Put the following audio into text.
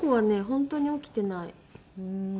本当に起きてない。